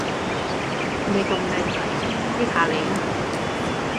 見你咁靚仔，益吓你啦